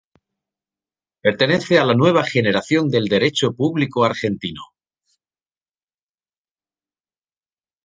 Pertenece a la nueva generación del Derecho Público argentino.